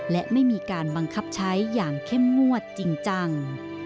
และไม่มีการบังคับใช้อย่างเข้มงวดจริงจัง